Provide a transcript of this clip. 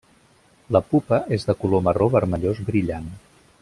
La pupa és de color marró vermellós brillant.